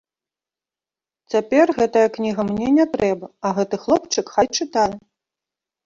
Цяпер гэтая кніга мне не трэба, а гэты хлопчык хай чытае.